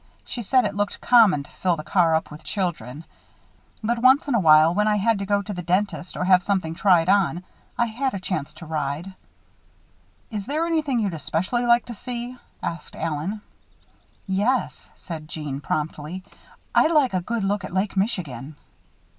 She said it looked common to fill the car up with children. But once in a while, when I had to go to the dentist or have something tried on, I had a chance to ride." "Is there anything you'd especially like to see?" asked Allen. "Yes," said Jeanne, promptly. "I'd like a good look at Lake Michigan."